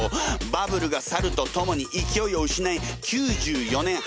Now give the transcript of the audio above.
バブルが去るとともにいきおいを失い９４年８月に閉店。